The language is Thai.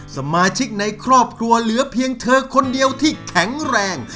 สมาชิกในครอบครัวเหลือเพียงเธอคนเดียวที่แข็งแรง